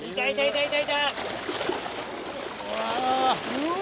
うわ！